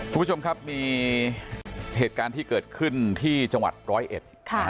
คุณผู้ชมครับมีเหตุการณ์ที่เกิดขึ้นที่จังหวัดร้อยเอ็ด